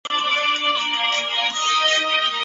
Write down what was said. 赞科夫的行径引起共产国际的谴责。